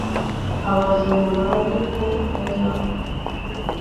abazima bazi ko bazapfa